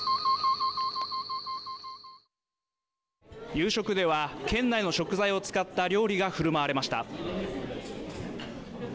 夕食では県内の食材を使った料理が振る舞われました。